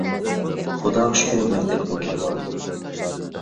خۇداغا شۈكرى، مەكتەپكىمۇ كېلىۋالدىم.